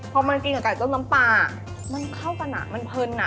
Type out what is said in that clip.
พอมันกินกับไก่ต้มน้ำปลามันเข้ากันอ่ะมันเพลินอ่ะ